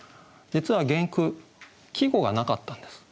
実は原句季語がなかったんです。